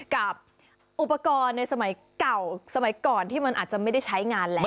กับอุปกรณ์ในสมัยเก่าสมัยก่อนที่มันอาจจะไม่ได้ใช้งานแล้ว